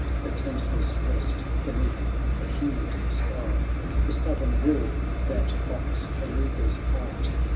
The tentless rest beneath the humid sky. The stubborn wall that mocks the leaguer's art.